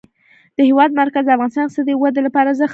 د هېواد مرکز د افغانستان د اقتصادي ودې لپاره ارزښت لري.